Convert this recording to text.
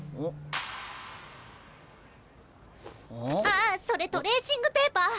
ああそれトレーシングペーパー。